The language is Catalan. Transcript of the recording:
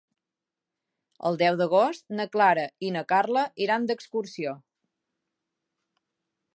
El deu d'agost na Clara i na Carla iran d'excursió.